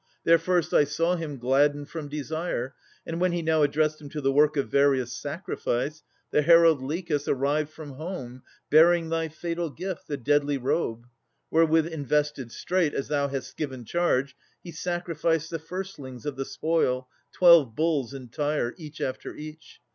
There first I saw him, gladdened from desire. And when he now addressed him to the work Of various sacrifice, the herald Lichas Arrived from home, bearing thy fatal gift, The deadly robe: wherewith invested straight, As thou hadst given charge, he sacrificed The firstlings of the spoil, twelve bulls entire, Each after each.